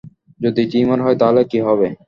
যদি টিউমার হয়, তাহলে কী হবে?